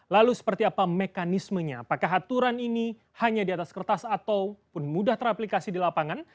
lalu seperti apa mekanismenya apakah aturan ini hanya di atas kertas ataupun mudah teraplikasi di lapangan